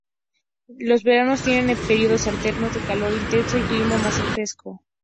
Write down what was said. Los veranos tienen períodos alternos de calor intenso y clima más fresco.